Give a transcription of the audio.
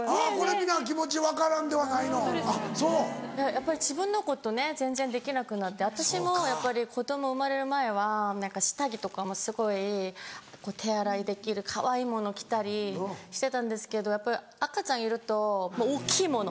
やっぱり自分のことね全然できなくなって私もやっぱり子供生まれる前は何か下着とかもすごいこう手洗いできるかわいいもの着たりしてたんですけどやっぱり赤ちゃんいるともう大きいもの